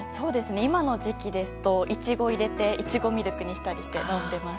今の時期ですとイチゴを入れてイチゴミルクにしたりして飲んでます。